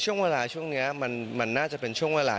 ช่วงเวลาช่วงนี้มันน่าจะเป็นช่วงเวลา